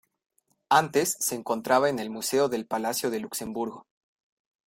Antes se encontraba en el museo del Palacio de Luxemburgo.